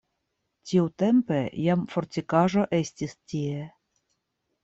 Tiutempe jam fortikaĵo estis tie.